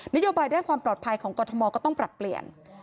นโยบายด้านความปลอดภัยของกรทมก็ต้องปรับเปลี่ยน